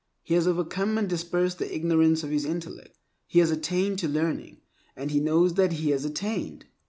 He has overcome and dispersed the ignorance of his intellect. He has attained to learning, and he knows that he has attained.